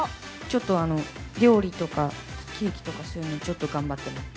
ちょっと料理とか、ケーキとか、そういうのをちょっと頑張ってます。